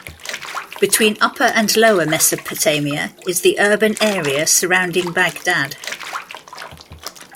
Between Upper and Lower Mesopotamia is the urban area surrounding Baghdad.